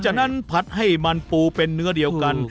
ฉะนั้นผัดให้มันปูเป็นเนื้อเดียวกัน